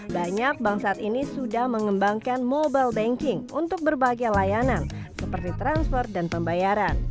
banyak bank saat ini sudah mengembangkan mobile banking untuk berbagai layanan seperti transfer dan pembayaran